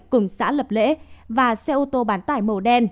cùng xã lập lễ và xe ô tô bán tải màu đen